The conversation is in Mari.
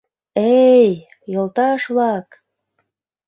— Э-эй, йолташ-влак!